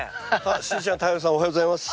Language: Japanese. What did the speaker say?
しーちゃん太陽さんおはようございます。